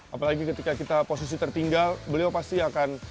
apalagi ketika kita posisi tertinggal beliau pasti akan